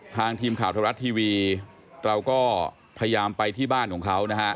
ทีมข่าวธรรมรัฐทีวีเราก็พยายามไปที่บ้านของเขานะฮะ